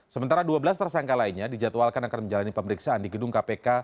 sementara dua belas tersangka lainnya dijadwalkan akan menjalani pemeriksaan di gedung kpk